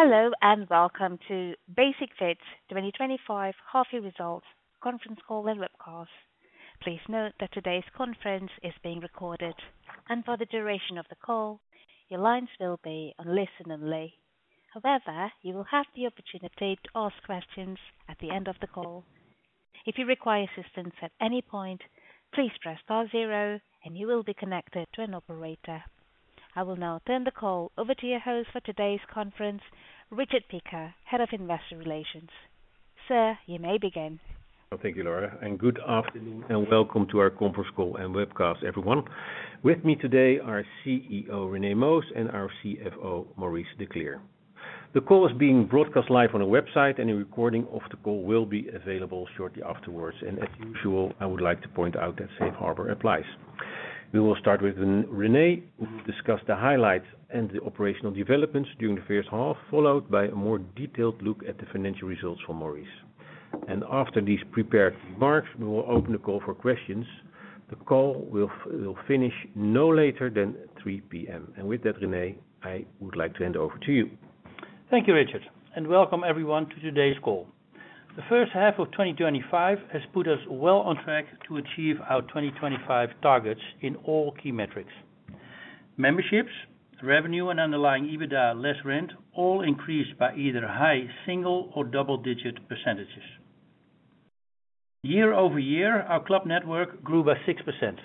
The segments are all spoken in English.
Hello and welcome to Basic-Fit 2025 Half Year Results Conference Call and Webcast. Please note that today's conference is being recorded, and for the duration of the call your lines will be in listen-only mode. However, you will have the opportunity to ask questions at the end of the call. If you require assistance at any point, please press R0 and you will be connected to an operator. I will now turn the call over to your host for today's conference, Richard Piekaar, Head of Investor Relations. Sir, you may begin. Thank you, Laura, and good afternoon and welcome to our conference call and webcast. Everyone with me today are CEO René Moos and our CFO Maurice de Kleer. The call is being broadcast live on a website, and a recording of the. call will be available shortly afterwards. As usual, I would like to point out that safe harbor applies. We will start with René, who will discuss the highlights and the operational developments during the first half, followed by a more detailed look at the financial results for Maurice. After these prepared remarks, we will open the call for questions. The call will finish no later than. [three] P.M. and with that, René, I would. Like to hand over to you. Thank you, Richard, and welcome everyone to today's call. The first half of 2025 has put us well on track to achieve our 2025 targets in all key metrics. Memberships, revenue, and underlying EBITDA less rent all increased by either high single or double digit percentages year-over-year. Our club network grew by 6%,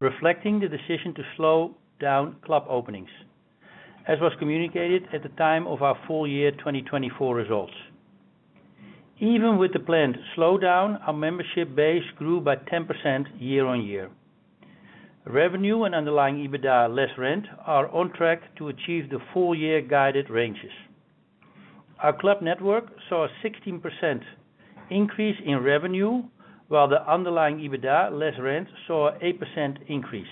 reflecting the decision to slow down club openings, as was communicated at the time of our full year 2024 results. Even with the planned slowdown, our membership base grew by 10% year on year. Revenue and underlying EBITDA less rent are on track to achieve the full year guided ranges. Our club network saw a 16% increase in revenue, while the underlying EBITDA less rent saw an 8% increase.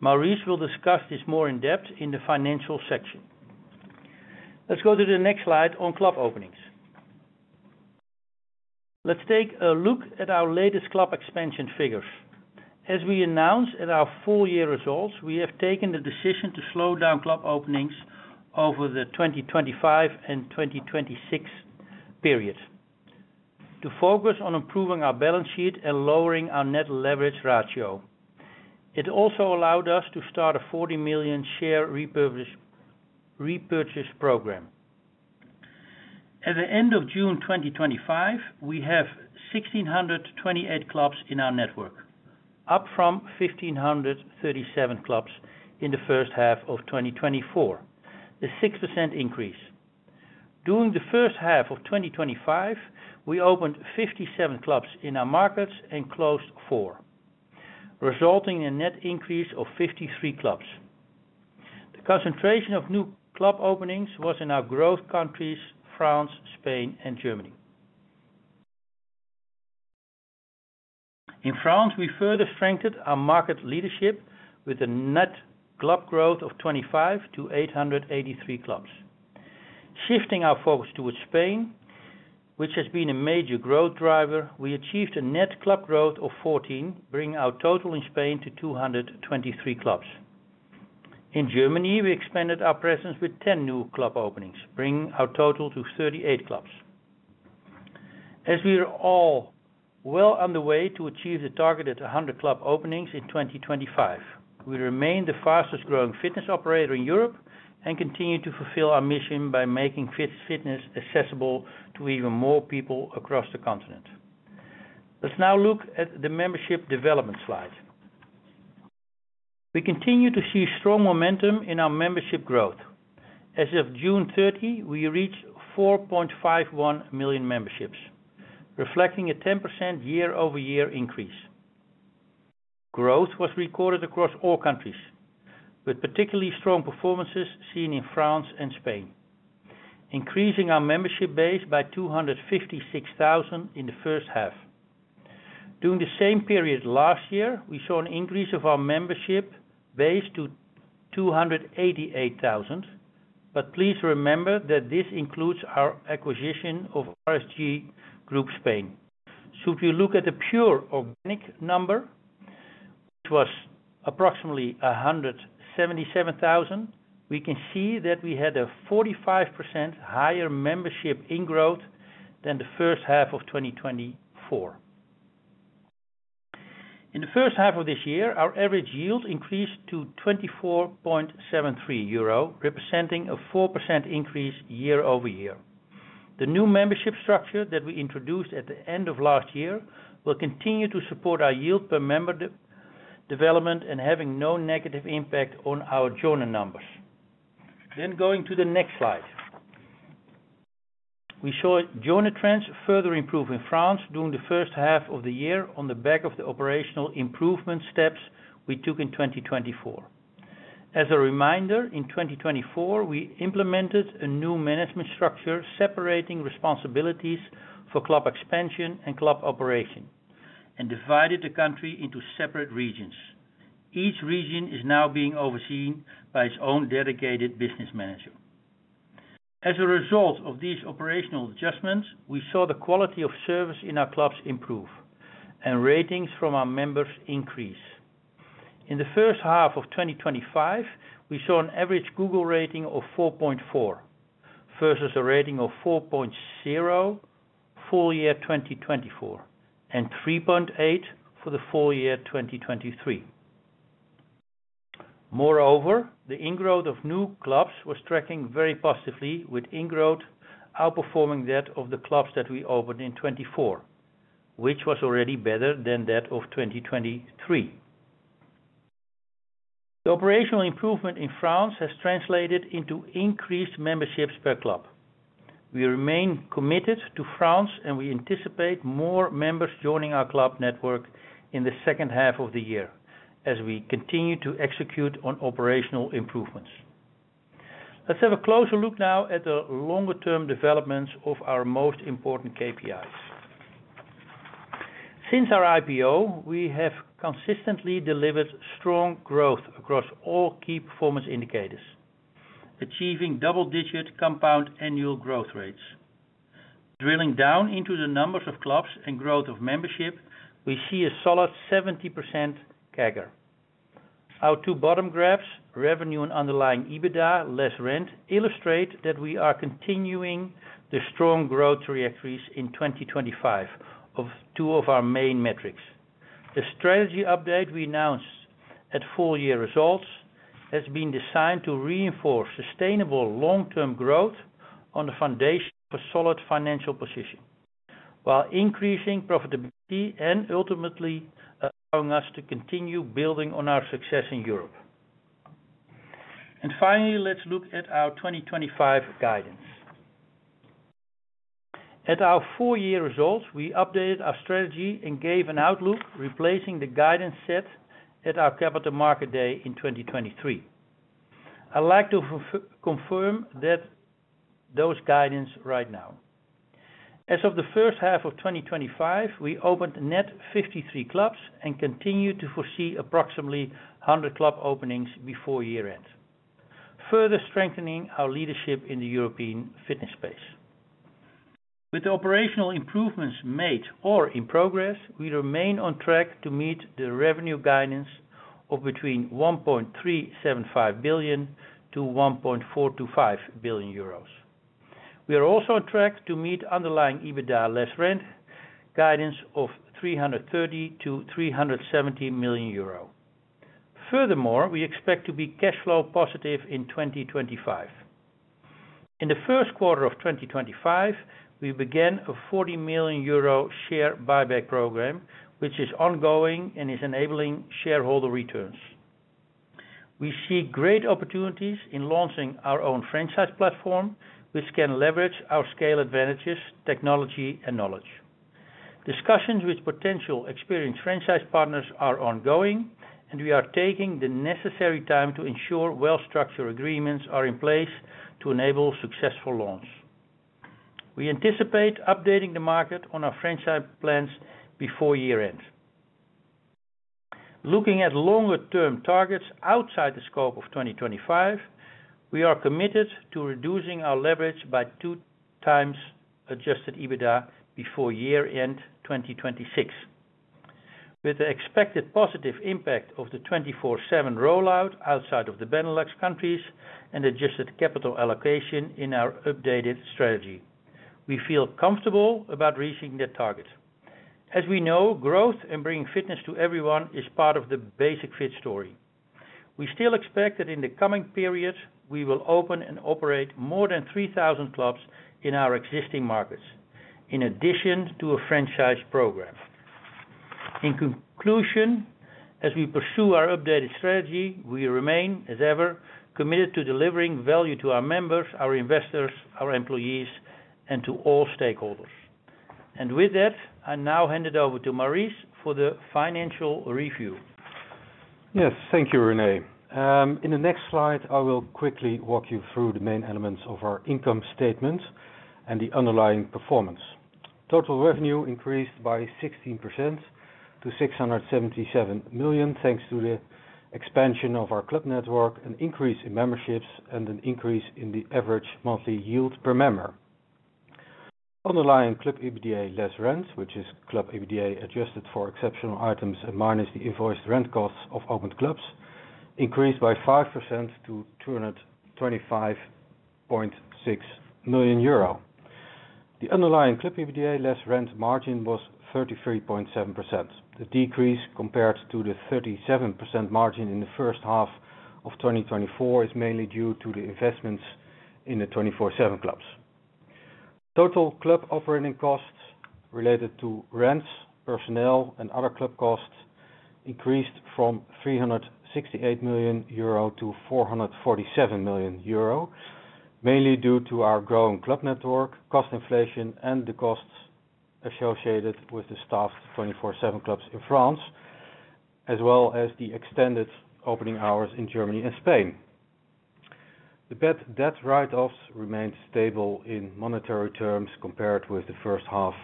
Maurice de Kleer will discuss this more in depth in the financial section. Let's go to the next slide on club openings. Let's take a look at our latest club expansion figures. As we announced at our full year results, we have taken the decision to slow down club openings over the 2025 and 2026 period to focus on improving our balance sheet and lowering our net leverage ratio. It also allowed us to start a 40 million share buyback program. At the. End of June 2025. We have 1,628 clubs in our network, up from 1,537 clubs in the first half of 2024, a 6% increase. During the first half of 2025, we opened 57 clubs in our markets and closed four, resulting in a net increase of 53 clubs. The concentration of new club openings was in our growth countries France, Spain, and Germany. In France, we further strengthened our market leadership with a net club growth of 25 to 883 clubs. Shifting our focus towards Spain, which has been a major growth driver, we achieved a net club growth of 14, bringing our total in Spain to 223 clubs. In Germany, we expanded our presence with 10 new club openings, bringing our total to 38 clubs. As we are all well underway to achieve the targeted 100 club openings in 2025, we remain the fastest growing fitness operator in Europe and continue to fulfill our mission by making fitness accessible to even more people across the continent. Let's now look at the membership development slide. We continue to see strong momentum in our membership growth. As of June 30, we reached 4.51 million memberships, reflecting a 10% year-over-year increase. Growth was recorded across all countries with particularly strong performances seen in France and Spain, increasing our membership base by 256,000 in the first half. During the same period last year, we saw an increase of our membership base to 288,000. Please remember that this includes our acquisition of RSG Group Spain. If we look at the pure organic number, approximately 177,000, we can see that we had a 45% higher membership growth than the first half of 2020. In the first half of this year, our average yield increased to 24.73 euro, representing a 4% increase year-over-year. The new membership structure that we introduced at the end of last year will continue to support our yield per member development and has no negative impact on our churn numbers. Going to the next slide, we saw join trends further improve in France during the first half of the year on the back of the operational improvement steps we took in 2024. As a reminder, in 2024 we implemented a new management structure separating responsibilities for club expansion and club operation and divided the country into separate regions. Each region is now being overseen by its own dedicated business manager. As a result of these operational adjustments, we saw the quality of service in our clubs improve and ratings from our members increase. In the first half of 2025, we saw an average Google rating of 4.4 versus a rating of 4.0 full year 2024 and 3.8 for the full year 2023. Moreover, the ingrowth of new clubs was tracking very positively, with ingrowth outperforming that of the clubs that we opened in 2024 which was already better than that of 2023. The operational improvement in France has translated into increased memberships per club. We remain committed to France and we anticipate more members joining our club network in the second half of the year as we continue to execute on operational improvements. Let's have a closer look now at the longer term developments of our most important KPIs. Since our IPO we have consistently delivered strong growth across all key performance indicators, achieving double digit compound annual growth rates. Drilling down into the numbers of clubs and growth of membership, we see a solid 70% CAGR. Our two bottom graphs, revenue and underlying EBITDA less rent, illustrate that we are continuing the strong growth trajectories in 2025 of two of our main metrics. The strategy update we announced at full year results has been designed to reinforce sustainable long term growth on the foundation for solid financial position while increasing profitability and ultimately allowing us to continue building on our success in Europe. Finally, let's look at our 2025 guidance. At our full year results, we updated our strategy and gave an outlook replacing the guidance set at our capital market day in 2023. I like to confirm those guidance right now. As of the first half of 2025 we opened net 53 clubs and continue to foresee approximately 100 club openings before year end, further strengthening our leadership in the European fitness space. With the operational improvements made or in progress, we remain on track to meet the revenue guidance of between 1.375 billion-1.425 billion euros. We are also on track to meet underlying EBITDA less rent guidance of 330 million-370 million euro. Furthermore, we expect to be cash flow positive in 2025. In the first quarter of 2025 we began a 40 million euro share buyback program which is ongoing and is enabling shareholder returns. We see great opportunities in launching our own franchise platform which can leverage our scale advantages, technology and knowledge. Discussions with potential experienced franchise partners are ongoing and we are taking the necessary time to ensure well structured agreements are in place to enable successful launch. We anticipate updating the market on our franchise plans before year end, looking at longer term targets outside the scope of 2025. We are committed to reducing our leverage by 2x adjusted EBITDA before year end 2026. With the expected positive impact of the 24/7 rollout outside of the Benelux countries and adjusted capital allocation in our updated strategy, we feel comfortable about reaching the target as we know growth and bringing fitness to everyone is part of the Basic-Fit story. We still expect that in the coming period we will open and operate more than 3,000 clubs in our existing markets, in addition to a franchise program. In conclusion, as we pursue our updated strategy, we remain, as ever, committed to delivering value to our members, our investors, our employees, and to all stakeholders. With that, I now hand it over to Maurice for the financial review. Yes, thank you, René. In the next slide, I will quickly walk you through the main elements of our income statement and the underlying performance. Total revenue increased by 16% to 677 million thanks to the expansion of our club network, an increase in memberships, and an increase in the average monthly yield per member. Underlying club EBITDA less rent, which is club EBITDA adjusted for exceptional items minus the invoiced rent costs of opened clubs, increased by 5% to 225 million euro. The underlying club EBITDA less rent margin was 33.7%. The decrease compared to the 37% margin in the first half of 2024 is mainly due to the investments in the 24/7 clubs. Total club operating costs related to rents, personnel, and other club costs increased from 368 million euro to 447 million euro, mainly due to our growing club network, cost inflation, and the costs associated with the staffed 24/7 clubs in France as well as the extended opening hours in Germany and Spain. The bad debt write-offs remained stable in monetary terms compared with the first half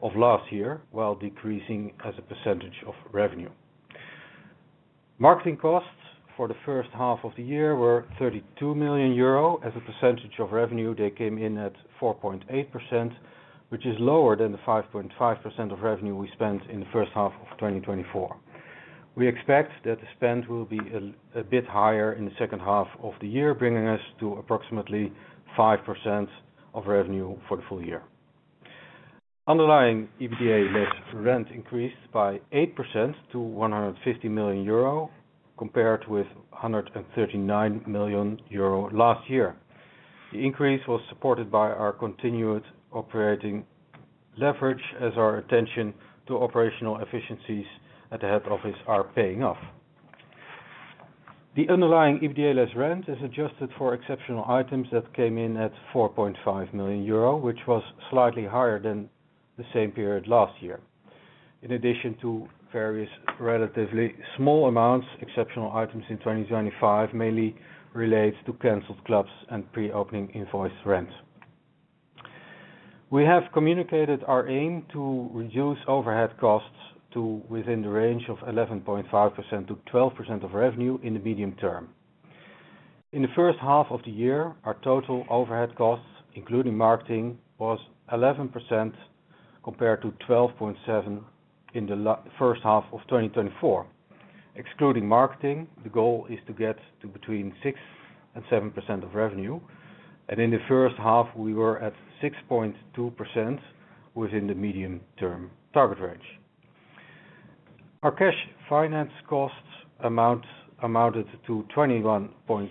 of last year while decreasing as a percentage of revenue. Marketing costs for the first half of the year were 32 million euro. As a percentage of revenue, they came in at 4.5%, which is lower than the 5.5% of revenue we spent in the first half of 2024. We expect that the spend will be a bit higher in the second half of the year, bringing us to approximately 5% of revenue for the full year. Underlying EBITDA less rent increased by 8% to 150 million euro compared to 139 million euro last year. The increase was supported by our continued operating leverage as our attention to operational efficiencies at the head office are paying off. The underlying EBITDA less rent is adjusted for exceptional items that came in at 4.5 million euro, which was slightly higher than the same period last year. In addition to various relatively small amounts, exceptional items in 2025 mainly relate to canceled clubs and pre-opening invoiced rent. We have communicated our aim to reduce overhead costs to within the range of 11.5%-12% of revenue in the medium term. In the first half of the year, our total overhead costs including marketing was 11% compared to 12.7% in the first half of 2024. Excluding marketing, the goal is to get to between 6% and 7% of revenue, and in the first half we were at 6.2%. Within the medium-term target range, our cash finance costs amounted to 21.7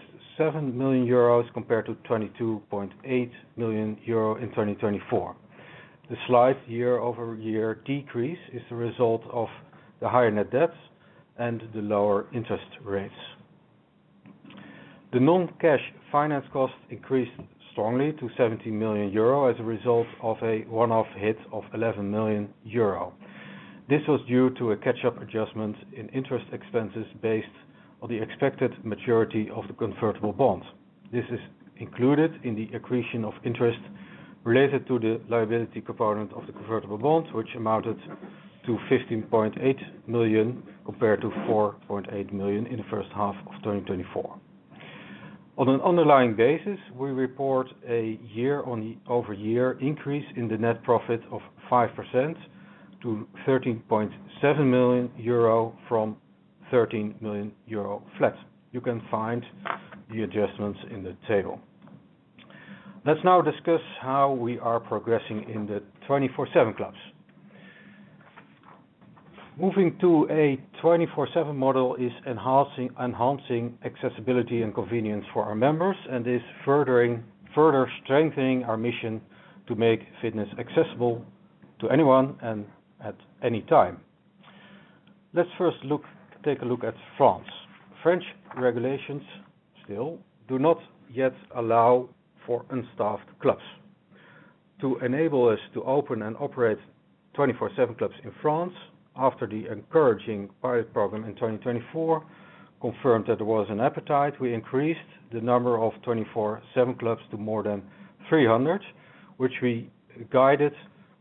million euros compared to 22.8 million euro in 2024. The slight year over year decrease is the result of the higher net debts and the lower interest rates. The non-cash finance cost increased strongly to 17 million euro as a result of a one-off hit of 11 million euro. This was due to a catch-up adjustment in interest expenses based on the expected maturity of the convertible bond. This is included in the accretion of interest related to the liability component of the convertible bond, which amounted to 15.8 million compared to 4.8 million in the first half of 2024. On an underlying basis, we report a year-over-year increase in the net profit of 5% to 13.67 million euro from 13 million euro flat. You can find the adjustments in the table. Let's now discuss how we are progressing in the 24/7 club operations. Moving to a 24/7 model is enhancing accessibility and convenience for our members and is further strengthening our mission to make fitness accessible to anyone and at any time. Let's first take a look at France. French regulations still do not yet allow for unstaffed clubs to enable us to open and operate 24/7 clubs in France. After the encouraging pilot program in 2024 confirmed that there was an appetite, we increased the number of 24/7 clubs to more than 300, which we guided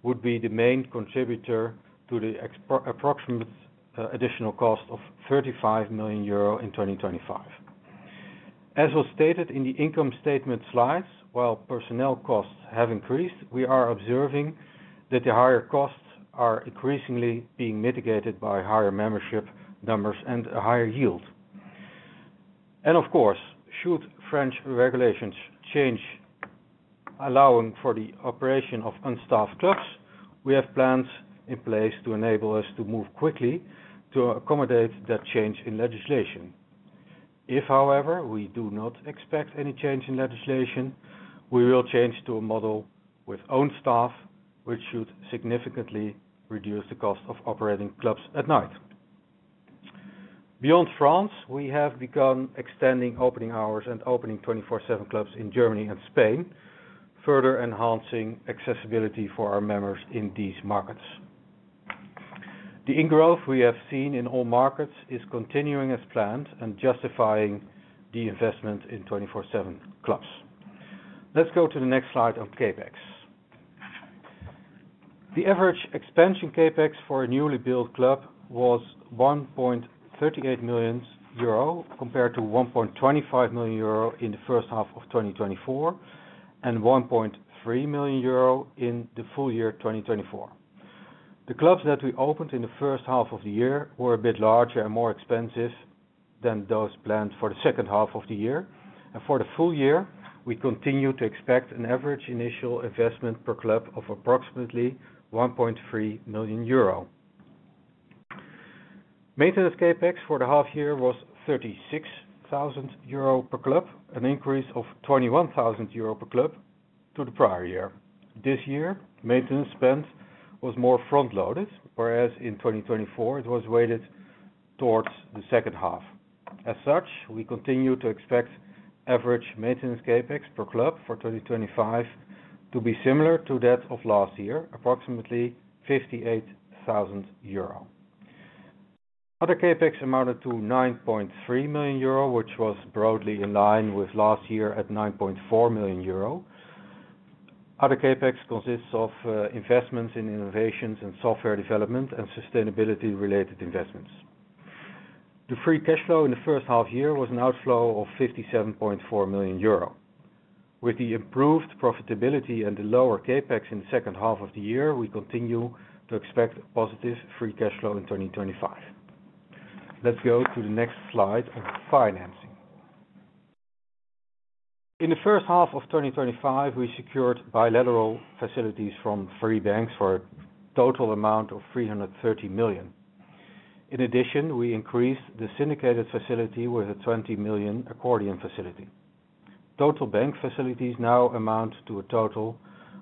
would be the main contributor to the approximate additional cost of 35 million euro in 2025. As was stated in the income statement slides, while personnel costs have increased, we are observing that the higher costs are increasingly being mitigated by higher membership numbers and a higher yield. Of course, should French regulations change allowing for the operation of unstaffed clubs, we have plans in place to enable us to move quickly to accommodate that change in legislation. If, however, we do not expect any change in legislation, we will change to a model with own staff which should significantly reduce the cost of operating clubs at night. Beyond France, we have begun extending opening hours and opening 24/7 clubs in Germany and Spain, further enhancing accessibility for our members in these markets. The ingrowth we have seen in all markets is continuing as planned and justifying the investment in 24/7 clubs. Let's go to the next slide of CapEx. The average expansion CapEx for a newly built club was 1.38 million euro compared to 1.25 million euro in the first half of 2024 and 1.3 million euro in the full year 2024. The clubs that we opened in the first half of the year were a bit larger and more expensive than those planned for the second half of the year, and for the full year we continue to expect an average initial investment per club of approximately 1.3 million euro. Maintenance CapEx for the half year was 36,000 euro per club, an increase of 21,000 euro per club to the prior year. This year maintenance spend was more front loaded, whereas in 2024 it was weighted towards the second half. As such, we continue to expect average maintenance CapEx per club for 2025 to be similar to that of last year, approximately 58,000 euro. Other CapEx amounted to 9.3 million euro, which was broadly in line with last year at 9.4 million euro. Other CapEx consists of investments in innovations and software development and sustainability-related investments. The free cash flow in the first half year was an outflow of 57.4 million euro. With the improved profitability and the lower CapEx in the second half of the year, we continue to expect positive free cash flow in 2025. Let's go to the next slide of financing. In the first half of 2025, we secured bilateral facilities from three banks for a total amount of 330 million. In addition, we increased the syndicated facility with a 20 million accordion facility. Total bank facilities now amount to a total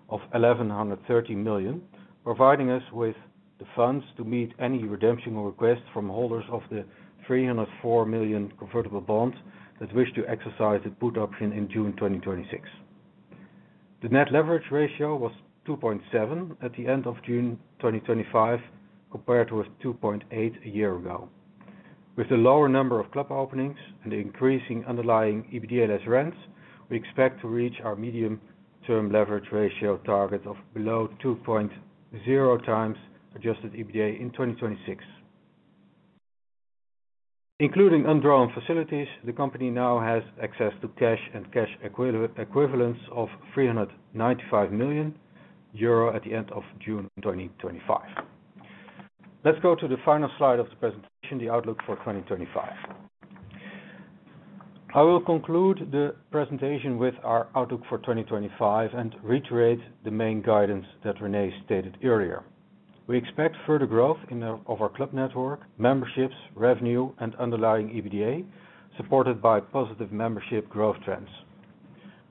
of 1,130 million, providing us with the funds to meet any redemption requests from holders of the 304 million convertible bonds that wish to exercise the put option in June 2026. The net leverage ratio was 2.7 at the end of June 2025 compared with 2.8 a year ago. With the lower number of club openings and the increasing underlying EBITDA less rent, we expect to reach our medium-term leverage ratio target of below 2.0 times adjusted EBITDA in 2026. Including undrawn facilities, the company now has access to cash and cash equivalents of 395 million euro at the end of June 2025. Let's go to the final slide of the presentation, the outlook for 2025. I will conclude the presentation with our outlook for 2025 and reiterate the main guidance that Ren stated earlier. We expect further growth of our club network, memberships, revenue, and underlying EBITDA supported by positive membership growth trends.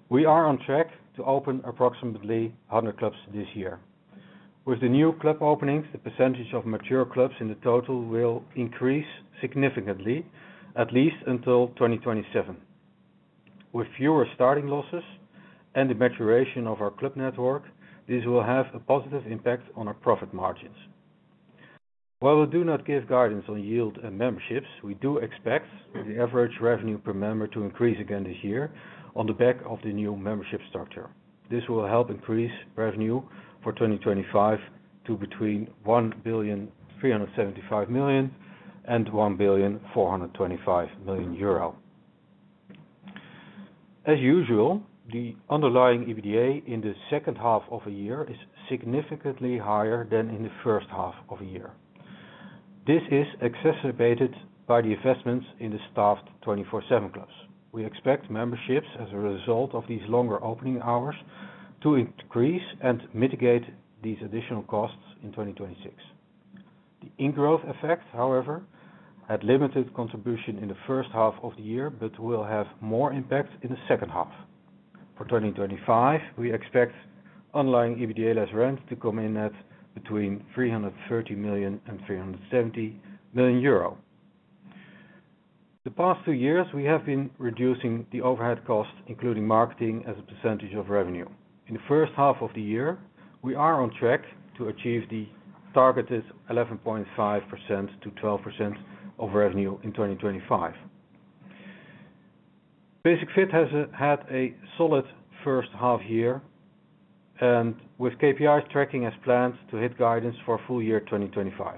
We are on track to open approximately 100 clubs this year. With the new club openings, the percentage of mature clubs in the total will increase significantly at least until 2027. With fewer starting losses and the maturation of our club network, these will have a positive impact on our profit margins. While we do not give guidance on yield and memberships, we do expect the average revenue per member to increase again this year on the back of the new membership struct. This will help increase revenue for 2025 to between 1,375,000,000 and 1,425,000,000 euro. As usual, the underlying EBITDA in the second half of the year is significantly higher than in the first half of a year. This is exacerbated by the investments in the staffed 24/7 clubs. We expect memberships as a result of these longer opening hours to increase and mitigate these additional costs in 2026. The ingrowth effect, however, had limited contribution in the first half of the year, but will have more impact in the second half. For 2025, we expect underlying EBITDA less rent to come in at between 330 million and 370 million euro. The past two years, we have been reducing the overhead cost, including marketing as a percentage of revenue in the first half of the year. We are on track to achieve the targeted 11.5%-12% of revenue in 2025. Basic-Fit has had a solid first half year with KPIs tracking as planned to hit guidance for full year 2025.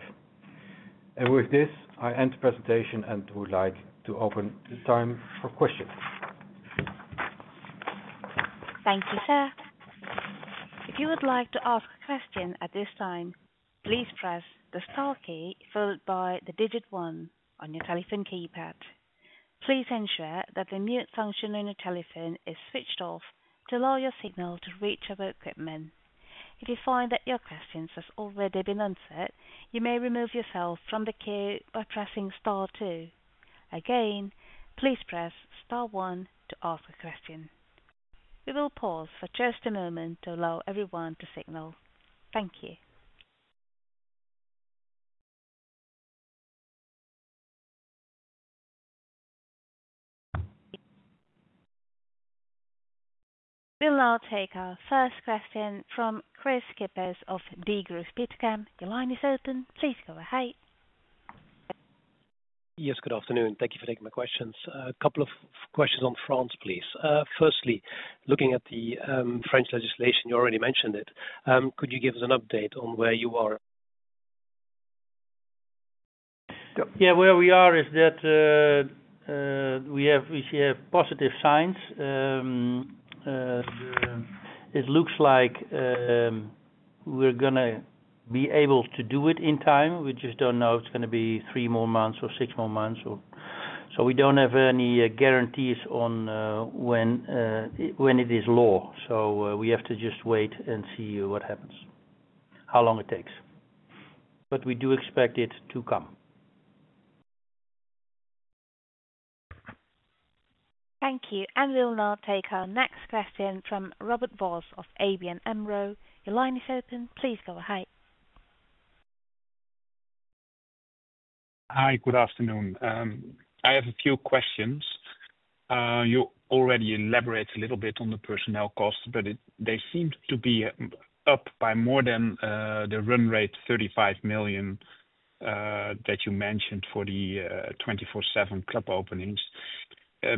With this, I end the presentation and would like to open the time for questions. Thank you, sir. If you would like to ask a question at this time, please press the star key followed by the digit one on your telephone keypad. Please ensure that the mute function on your telephone is switched off to allow your signal to reach our equipment. If you find that your question has already been answered, you may remove yourself from the queue by pressing two again. Please press star one to ask a question. We will pause for just a moment to allow everyone to signal. Thank you. We'll now take our first question from Kris Kippers of Degroof Petercam. Your line is open. Please go ahead. Yes, good afternoon. Thank you for taking my questions. A couple of questions on France, please. Firstly, looking at the French legislation you already mentioned it, could you give us an update on where you are? Where we are is that we see positive signs. It looks like we're going to be able to do it in time. We just don't know if it's going to be three more months or six more months or so. We don't have any guarantees on when it is law. We have to just wait and see what happens, how long it takes. We do expect it to come. Thank you. We'll now take our next question from Robert Vos of ABN AMRO. Your line is open. Please go. Hi. Hi, good afternoon. I have a few questions. You already elaborate a little bit on the personnel costs, but they seem to be up by more than the run rate, 35 million that you mentioned for the 24/7 club openings.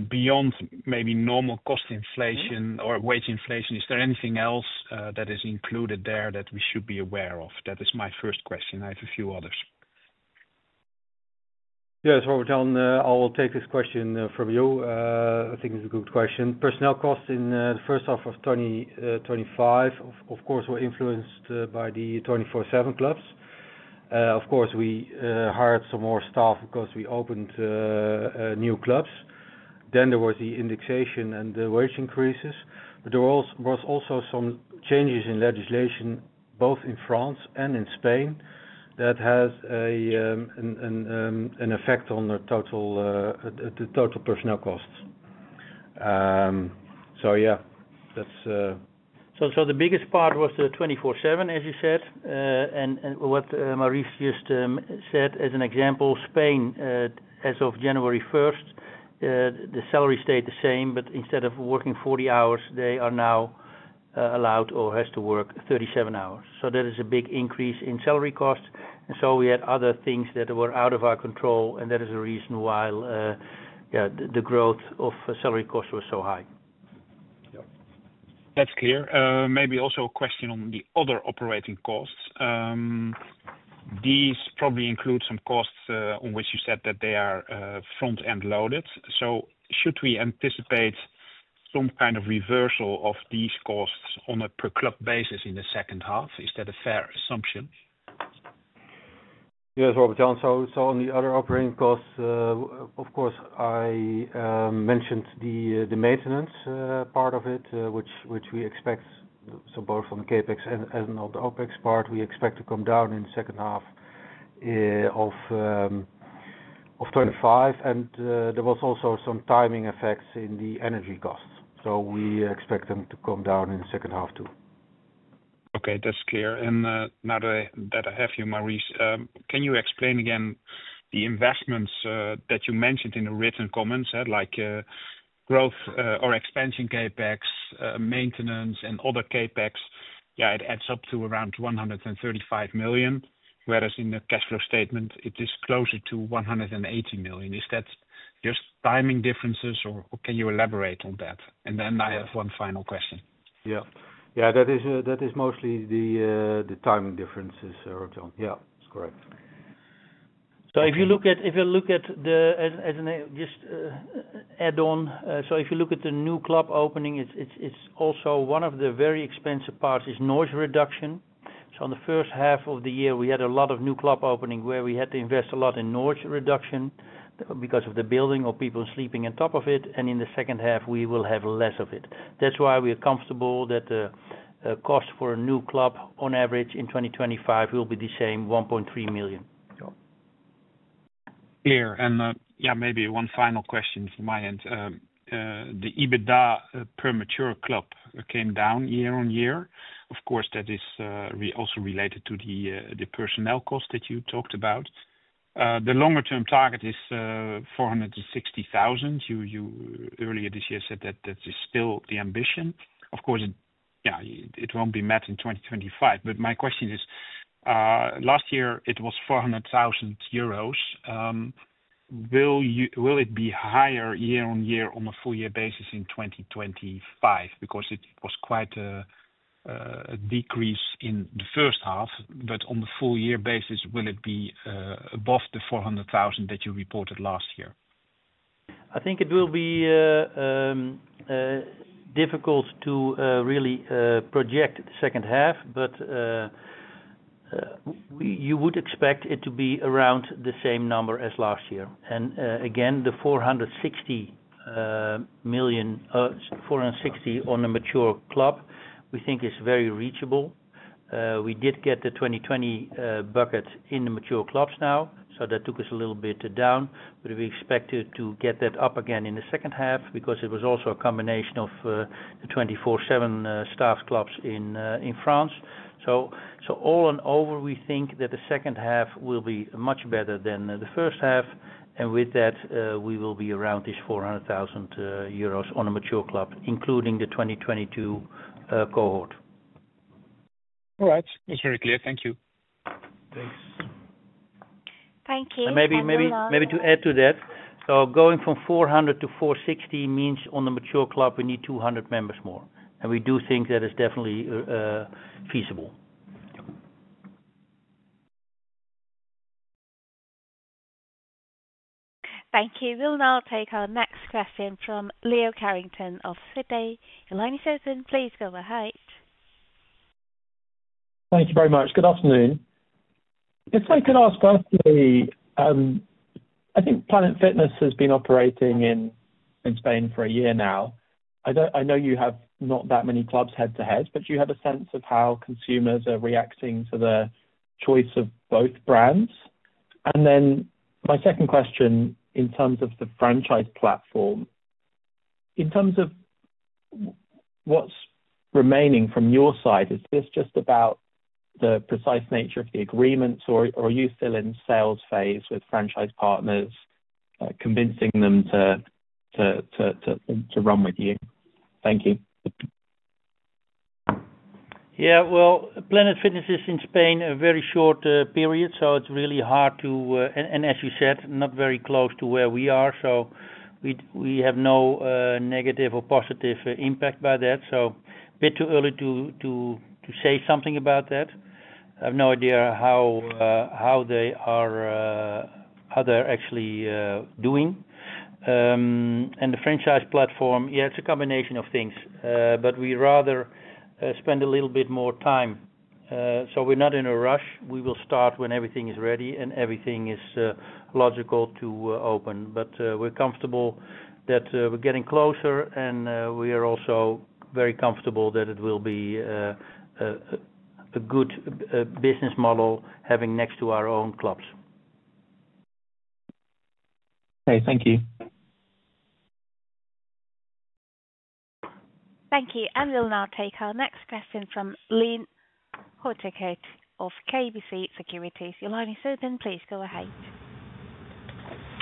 Beyond maybe normal cost inflation or wage inflation, is there anything else that is included there that we should be aware of? That is my first question. I have a few others. Yes. Robert? [On the], I will take this question from you. I think it's a good question. Personnel costs in the first half of 2025, of course, were influenced by the 24/7 clubs. Of course, we hired some more staff because we opened new clubs. There was the indexation and the wage increases. There were also some changes in legislation both in France and in Spain that has an effect on the total personnel costs. Yeah, that's so. The biggest part was the 24/7, as you said, and what Maurice just said as an example, Spain as of January 1st, the salary stayed the same, but instead of working 40 hours, they are now allowed or have to work 37 hours. That is a big increase in salary costs. We had other things that were out of our control, and that is the reason why the growth of salary costs was so high. Yeah, that's clear. Maybe also a question on the other operating costs. These probably include some costs on which you said that they are front end loaded. Should we anticipate some kind of reversal of these costs on a per club basis in the second half? Is that a fair assumption? Yes, Robert. John. On the other operating costs, of course I mentioned the maintenance part of it, which we expect. Both on CapEx and on the OpEx part, we expect to come down in second half of 2025. There was also some timing effects in the energy costs, so we expect them to come down in the second half too. Okay, that's clear. Now that I have you, Maurice, can you explain again the investments that you mentioned in the written comments like growth or expansion, CapEx maintenance, and other CapEx? It adds up to around 135 million, whereas in the cash flow statement it is closer to 180 million. Is that just timing differences or can you elaborate on that? I have one final question. Yeah, that is mostly the timing differences. Yeah, that's correct. If you look at the new club opening, it's also one of the very expensive parts, noise reduction. In the first half of the year, we had a lot of new club openings where we had to invest a lot in noise reduction because of the building or people sleeping on top of it. In the second half, we will have less of it. That's why we are comfortable that cost for a new club on average in 2025 will be the same, 1.3 million. Clear. Maybe one final question from my end. The EBITDA per mature club came down year on year. Of course, that is also related to the personnel cost that you talked about. The longer term target is 460,000. You earlier this year said that that is still the ambition. It won't be met in 2025. My question is, last year it was 400,000 euros. Will it be higher year on year on a full year basis in 2025? It was quite a decrease in the first half. On the full year basis, will it be above the 400,000 that you reported last year? I think it will be difficult to really project the second half, but you would expect it to be around the same number as last year. The 460,000 on a mature club we think is very reachable. We did get the 2020 buckets in the mature clubs now. That took us a little bit down, but we expected to get that up again in the second half because it was also a combination of the 24/7 staff clubs in France. All in all, we think that the second half will be much better than the first half and with that we will be around this 400,000 euros on a mature club, including the 2022 cohort. All right, that's very clear. Thank you. Thanks. Thank you. Maybe to add to that, going from 400 to 460 means on the mature club we need 200 members more, and we do think that is definitely feasible. Thank you. We'll now take our next question from Leo Carrington of Citi., please go ahead. Thank you very much. Good afternoon. If I could ask first, I think Planet Fitness has been operating. In Spain for a year now. I know you have not that many. Clubs head to head, you have. A sense of how consumers are reacting. To the choice of both brands. My second question, in terms. Of the franchise platform, in terms of. What's remaining from your side, is this just about the precise nature of the agreements, or are you still in sales? Phase with franchise partners, convincing them to run with you? Thank you. Planet Fitness is in Spain a very short period, so it's really hard to. As you said, not very close to where we are. We have no negative or positive impact by that. It's a bit too early to say something about that. I have no idea how they are, how they're actually doing. The franchise platform, yeah, it's a combination of things, but we rather spend a little bit more time, so we're not in a rush. We will start when everything is ready and everything is logical to open. We're comfortable that we're getting and we are also very comfortable that it will be a good business model having next to our own clubs. Thank you. Thank you. We'll now take our next question from Lynn Hautekeete of KBC Securities. Your line is open. Please go ahead.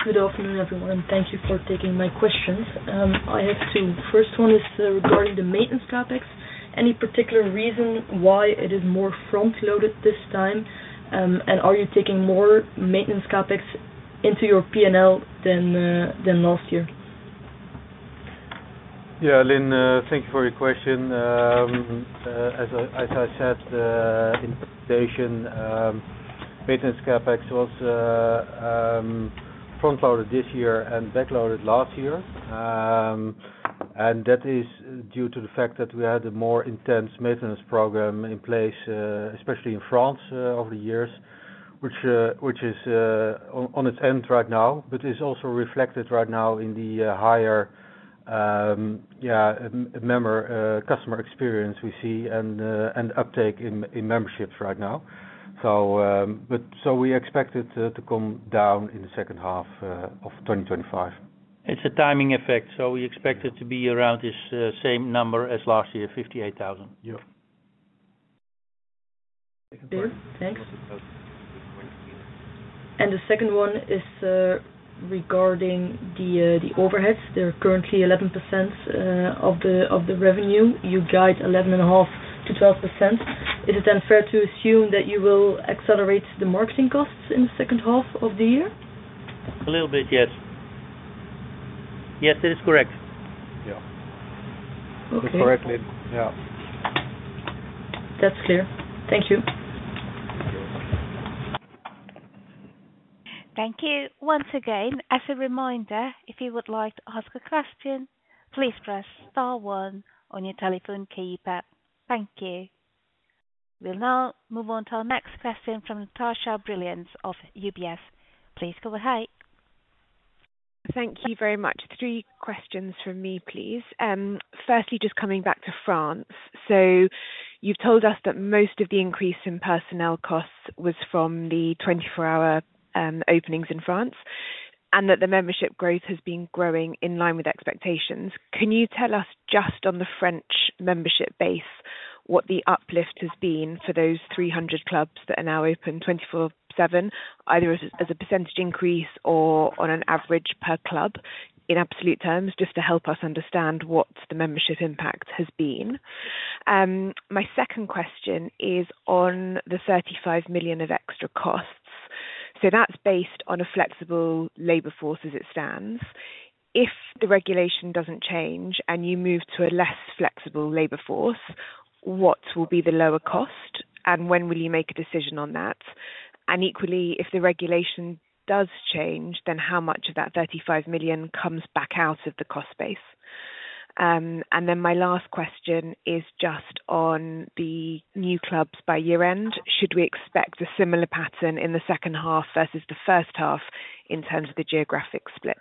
Good afternoon, everyone. Thank you for taking my questions. I have two. The first one is regarding the maintenance topics. Any particular reason why it is more front loaded this time? Are you taking more maintenance CapEx into your P&L than last year? Yeah, Lynn, thank you for your question. As I said in the presentation, maintenance CapEx was front loaded this year and backloaded last year. That is due to the fact that we had a more intense maintenance program in place, especially in France over the years, which is on its end right now, but is also reflected right now in the higher customer experience we see and uptake in memberships right now. We expect it to come down in the second half of 2025. It's a timing effect, so we expect it to be around this same number as last year, 58,000. Thanks. The second one is regarding the overheads. They're currently 11% of the revenue. You guide 11.5%-12%. Is it then fair to assume that you will accelerate the marketing costs in? The second half of the year. A little bit. Yes, it is correct. Yeah. That'S clear. Thank you. Thank you. Once again, as a reminder, if you would like to ask a question, please press Star one on your telephone keypad. Thank you. We'll now move on to our next question from Natasha Brilliant of UBS. Please go ahead. Thank you very much. Three questions from me, please. Firstly, just coming back to France, you've told us that most of the increase in personnel costs was from the 24/7 club operations in France and that the membership growth has been growing in line with expectations. Can you tell us, just on the French membership base, what the uplift has been for those 300 clubs that are now open 24/7, either as a percentage increase or on an average per club in absolute terms? Just to help us understand what the membership impact has been. My second question is on the 35 million of extra costs. That's based on a flexible labor force. As it stands, if the regulation doesn't change and you move to a less flexible labor force, what will be the lower cost? When will you make a decision on that? Equally, if the regulation does change, how much of that 35 million comes back out of the cost base? My last question is just on the new clubs by year end. Should we expect a similar pattern in the second half versus the first half in terms of the geographic split?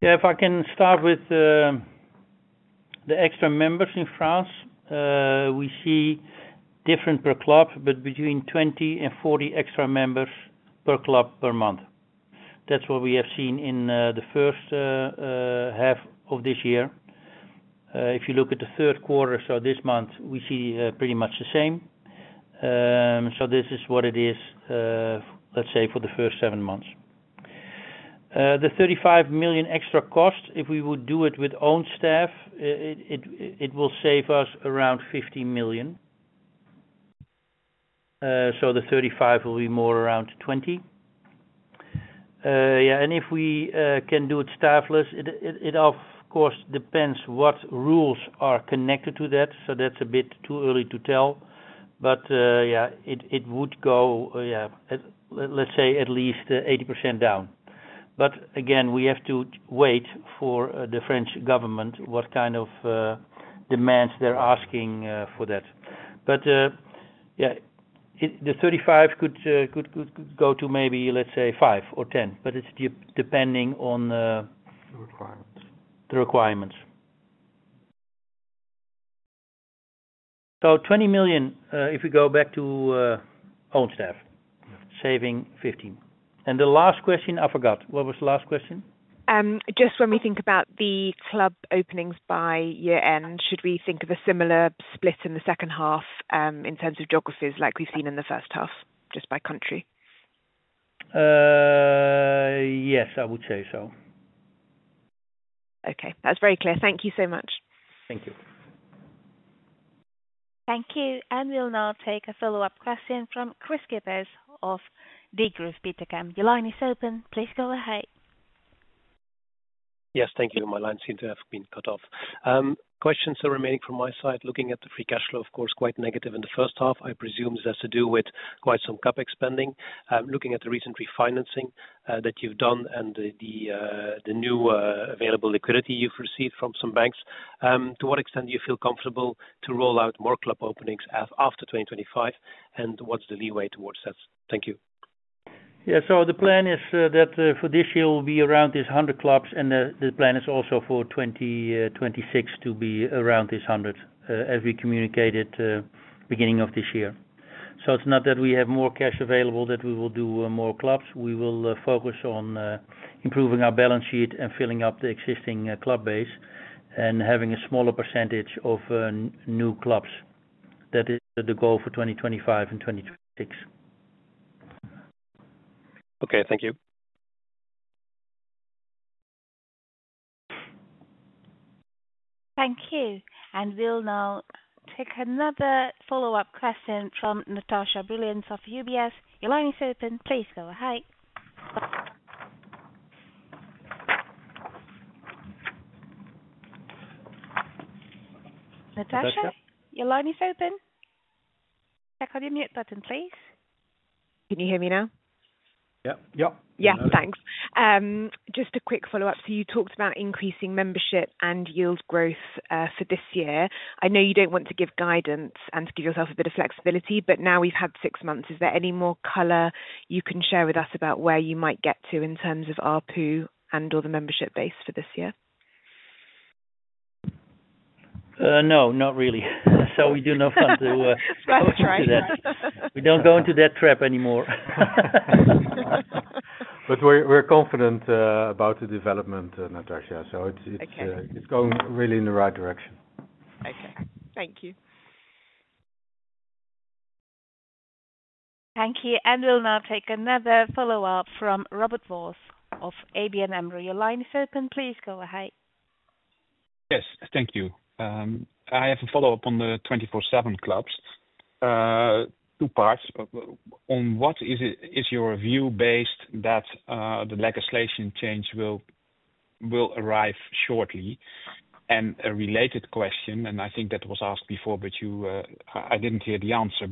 Yeah, if I can start with the extra members. In France we see different per club, but between 20 and 40 extra members per club per month. That's what we have seen in the first half of this year if you look at the third quarter. This month we see pretty much the same. This is what it is for, let's say for the first seven months, the 35 million extra cost. If we would do it with own staff, it will save us around 50 million. The 35 million will be more around 20 million. If we can do it staffless, it of course depends what rules are connected to that. That's a bit too early to tell. It would go, let's say at least 80% down. We have to wait for the French government, what kind of demands they're asking for that. The 35 million could go to maybe, let's say 5 million or 10 million, but it's depending on the requirements. So 20 million if we go back to own staff saving? 15 million. The last question, I forgot, what was the last question? Just when we think about the club openings by year end, should we think of a similar split in the second half in terms of geographies like we've seen in the first half just by country? Yes, I would say so. Okay, that's very clear. Thank you so much. Thank you. Thank you. We'll now take a follow-up question from Kris Kippers of Degroof Petercam. Your line is open, please go ahead. Yes, thank you. My lines seem to have been cut off. Questions are remaining from my side. Looking at the free cash flow, of course quite negative in the first half. I presume this has to do with quite some CapEx spending. Looking at the recent refinancing that you've done and the new available liquidity you've received from some banks, to what extent do you feel comfortable to roll out more club openings after 2025 and what's the leeway towards that? Thank you. The plan is that for this year will be around this 100 clubs and the plan is also for 2026 to be around this 100 as we communicated beginning of this year. It is not that we have more cash available that we will do more clubs. We will focus on improving our balance sheet and filling up the existing club base and smaller percentage of new clubs. That is the goal for 2025 and 2026. Okay, thank you. Thank you. We'll now take another follow-up question from Natasha Brilliant of UBS. Your line is open, please go. Natasha, your line is open. Check on your mute button, please. Can you hear me now? Yes, thanks. Just a quick follow-up. You talked about increasing membership and yield growth for this year. I know you don't want to give guidance and to give yourself a bit of flexibility, but now we've had six months. Is there any more color you can share with us about where you might get to in terms of ARPU and/or the membership base for this year? No, not really. We do not want to. We don't go into that trap anymore. We are confident about the development, Natasha, so it's going really in the right direction. Okay, thank you. Thank you. We'll now take another follow-up from Robert Vos of ABN AMRO. Please go ahead. Yes, thank you. I have a follow-up on the 24/7 clubs, two parts on what is it is your view based that the legislation change will arrive shortly? A related question, and I think that was asked before but I didn't hear the answer.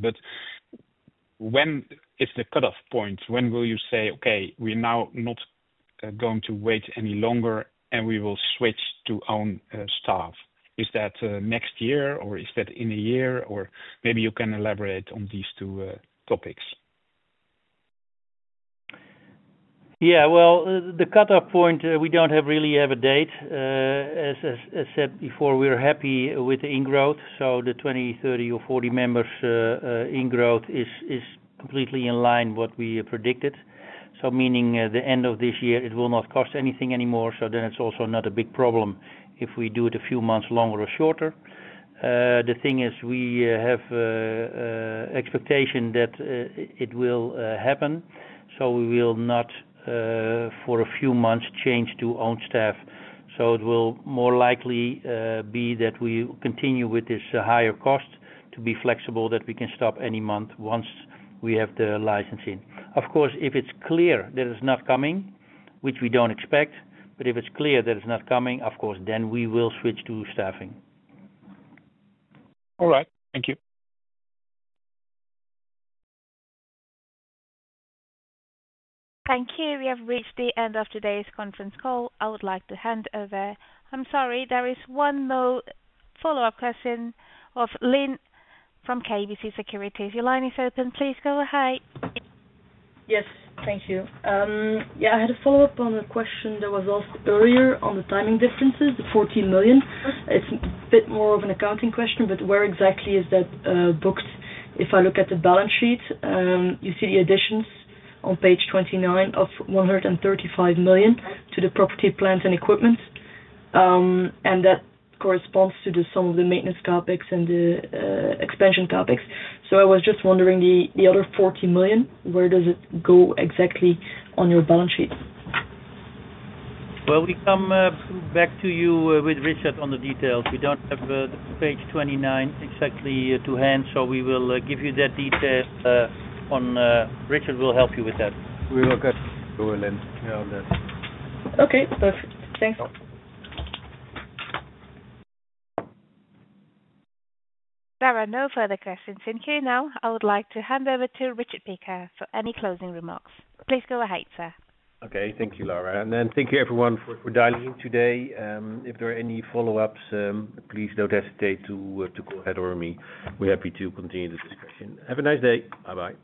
When is the cutoff point? When will you say okay, we're now not going to wait any longer and we will switch to own staff. Is that next year or is that in a year or maybe you can elaborate on these two topics. Yeah, the cutoff point, we don't really have a date. As I said before, we're happy with the ingrowth. The 20, 30, or 40 members in growth is completely in line with what we predicted. Meaning the end of this year, it will not cost anything anymore. It's also not a big problem if we do it a few months longer or shorter. The thing is, we have expectation that it will happen. We will not for a few months change to own staff. It will more likely be that we continue with this higher cost to be flexible, so that we can stop any month once we have the licensing. Of course, if it's clear that it's not coming, which we don't expect, but if it's clear that it's not coming, of course, then we will switch to staffing. All right, thank you. Thank you. We have reached the end of today's conference call. I would like to hand over. I'm sorry, there is one more follow-up question of Lynn from KBC Securities. Your line is open. Please go ahead. Yes, thank you. I had a follow-up on a question that was asked earlier on the timing differences. The 14 million, it's a bit more of an accounting question, but where exactly is that booked? If I look at the balance sheet, you see the additions on page 29 of 135 million to the property, plant, and equipment, and that corresponds to the sum of the maintenance CapEx and the expansion CapEx. I was just wondering, the other 40 million, where does it go exactly on your balance sheet? We will come back to you with Richard on the details. We don't have page 29 exactly to hand, so we will give you that detail on. Richard will help you with that. We will cut. Okay, perfect, thanks. There are no further questions in here. Now I would like to hand over to Richard Piekaar for any closing remarks. Please go ahead, sir. Okay, thank you, Lara. Thank you everyone for dialing today. If there are any follow-ups, please. Don't hesitate to call Richard or me. We're happy to continue this discussion. Have a nice day. Bye bye.